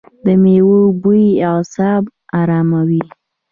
د میوو بوی اعصاب اراموي.